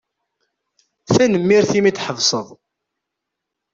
Tanemmirt imi d-tḥebsed.